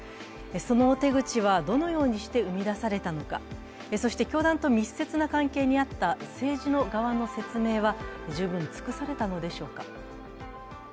その手口はどのようにして生み出されたのか、そして教団と密接な関係にあった政治の側の説明は十分尽くされたのでしょうか。